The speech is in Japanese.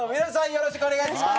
よろしくお願いします。